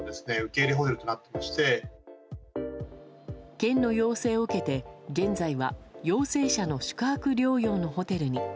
県の要請を受けて、現在は陽性者の宿泊療養のホテルに。